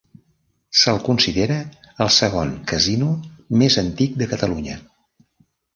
Se'l considera el segon casino més antic de Catalunya.